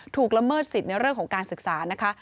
ละเมิดสิทธิ์ในเรื่องของการศึกษานะคะ